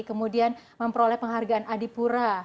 kemudian memperoleh penghargaan adipura